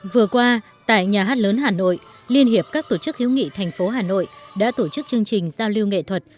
vừa qua tại nhà hát lớn hà nội liên hiệp các tổ chức hiếu nghị thành phố hà nội đã tổ chức chương trình giao lưu nghệ thuật